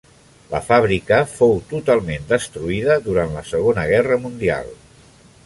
La fàbrica fou totalment destruïda durant la Segona Guerra Mundial.